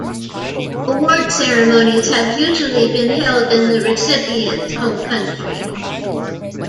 Award ceremonies have usually been held in the recipient's home country.